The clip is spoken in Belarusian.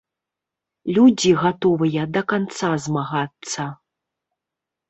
Людзі гатовыя да канца змагацца.